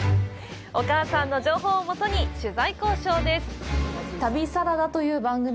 お母さんの情報をもとに取材交渉です。